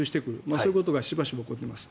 そういうことがしばしば起こります。